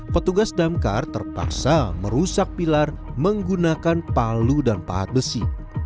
petugas damkar terpaksa merusak pilar menggunakan palu dan pahat besi